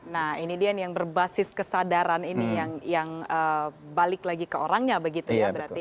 nah ini dia yang berbasis kesadaran ini yang balik lagi ke orangnya begitu ya berarti